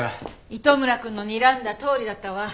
糸村くんのにらんだとおりだったわ。